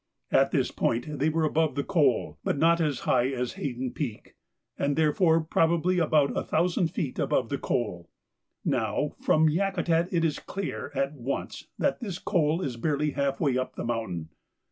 At this point they were above the col, but not as high as Haydon Peak, and therefore probably about a thousand feet above the col. Now, from Yakutat it is clear at once that this col is barely half way up the mountain.